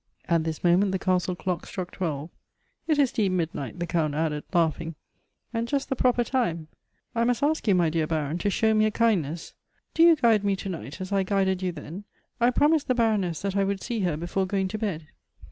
At this moment the castle clock struck twelve. " It is deep midnight," the Count added, laughing, " and just the proper time ; I must ask you, my dear Baron, to show me a kindness. Do you guide me to night, as I guided you then. I promised the Baroness that I would see her before going to bed.